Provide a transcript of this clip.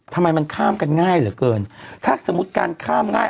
ทำไมมันข้ามกันง่ายเหลือเกินถ้าสมมุติการข้ามง่าย